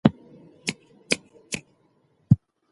که غالۍ ووبدو نو هنر نه ورکيږي.